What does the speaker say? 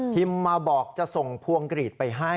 มาบอกจะส่งพวงกรีดไปให้